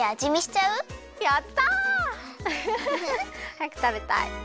はやくたべたい！